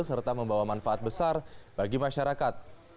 serta membawa manfaat besar bagi masyarakat